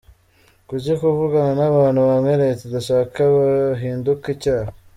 Kuki kuvugana n’abantu bamwe Leta idashaka byahinduka icyaha?